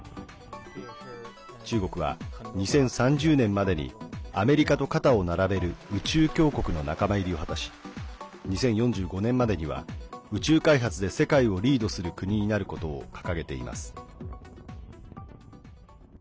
中国は、２０３０年までにアメリカと肩を並べる宇宙強国の仲間入りを果たし２０４５年までには宇宙開発で世界をリードする国になることを掲げています。